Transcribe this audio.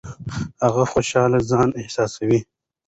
هغه خوشاله ځان احساساوه.